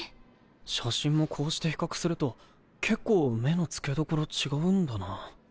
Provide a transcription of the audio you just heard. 写真もこうして比較すると結構目の付け所違うんだな。